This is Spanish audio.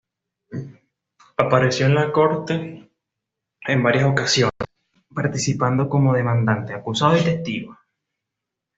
Apareció en la corte en varias ocasiones, participando como demandante, acusado y testigo.